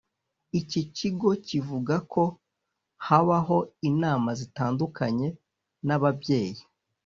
iki kigo kivuga ko habaho inama zitandukanye n’ababyeyi